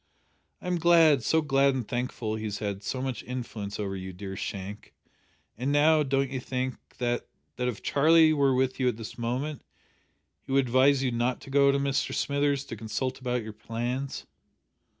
"I am glad so glad and thankful he has had so much influence over you, dear Shank, and now, don't you think that that if Charlie were with you at this moment he would advise you not to go to Mr Smithers to consult about your plans?"